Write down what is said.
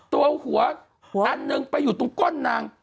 ตัวหัวอันหนึ่งไปอยู่ตรงก้นนาง